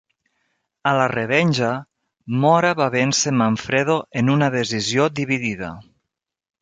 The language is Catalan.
A la revenja, Mora va vèncer Manfredo en una decisió dividida.